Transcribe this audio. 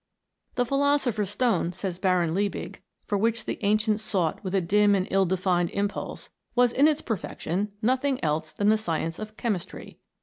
" The philosopher's stone," says Baron Liebig, " for which the ancients sought with a dim and ill defined impulse, was in its perfection nothing else than the science of chemistry.